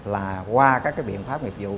là qua các biện pháp nghiệp dụ